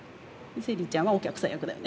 セリちゃんはお客さん役だよね。